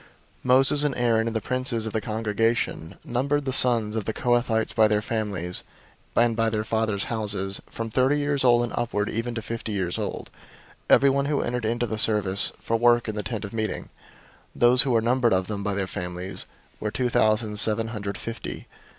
004:034 Moses and Aaron and the princes of the congregation numbered the sons of the Kohathites by their families, and by their fathers' houses, 004:035 from thirty years old and upward even to fifty years old, everyone who entered into the service, for work in the Tent of Meeting. 004:036 Those who were numbered of them by their families were two thousand seven hundred fifty.